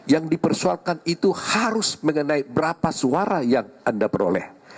yang dipersoalkan itu harus mengenai berapa suara yang anda peroleh